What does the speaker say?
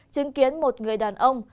chứng kiến một người đàn ông